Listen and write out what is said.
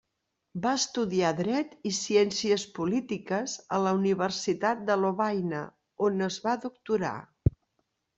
Va estudiar Dret i Ciències Polítiques a la Universitat de Lovaina, on es va doctorar.